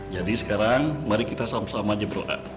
jadi sekarang mari kita sama sama aja berdoa